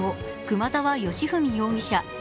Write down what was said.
熊沢良文容疑者